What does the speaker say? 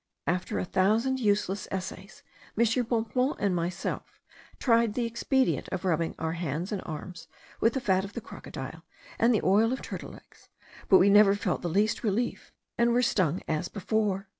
After a thousand useless essays, M. Bonpland and myself tried the expedient of rubbing our hands and arms with the fat of the crocodile, and the oil of turtle eggs, but we never felt the least relief, and were stung as before.